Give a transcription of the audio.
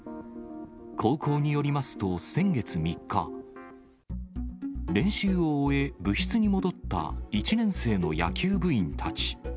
高校によりますと、先月３日、練習を終え、部室に戻った１年生の野球部員たち。